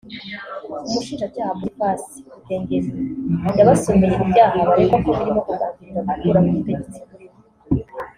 umushinjacyaha Boniface Budengeri yabasomeye ibyaha baregwa ko birimo kugambirira gukuraho ubutegetsi buriho